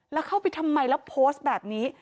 แล้วเข้าไปทำไมแล้วโพสต์แบบนี้